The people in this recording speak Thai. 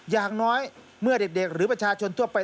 อย่างน้อยเมื่อเด็กหรือประชาชนทั่วไป